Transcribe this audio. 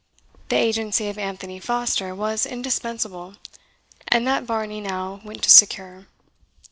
The agency of Anthony Foster was indispensable, and that Varney now went to secure.